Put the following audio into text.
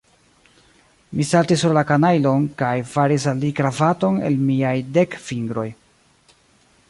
Mi saltis sur la kanajlon, kaj faris al li kravaton el miaj dek fingroj.